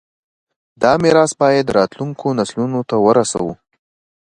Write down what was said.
دا میراث باید راتلونکو نسلونو ته ورسوو.